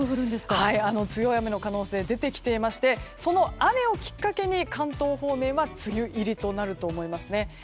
強い雨の可能性が出てきていてその雨をきっかけに関東方面は梅雨入りとなると思います。